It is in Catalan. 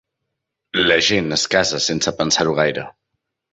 La gent es casa sense pensar-s'ho gaire.